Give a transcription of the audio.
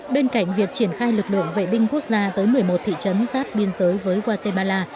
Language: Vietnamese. bên cạnh việc triển khai lực lượng vệ binh quốc gia tới một mươi một thị trấn giáp biên giới với guatemala